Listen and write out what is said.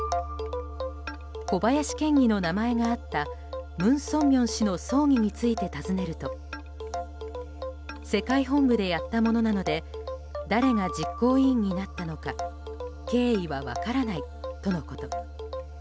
小林県議の名前があった文鮮明氏の葬儀について尋ねると世界本部でやったものなので誰が実行委員になったのか経緯は分からないとのこと。